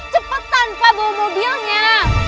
cepetan pak bawa mobilnya